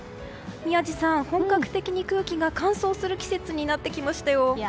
宮司さん、本格的に空気が乾燥する季節になりました。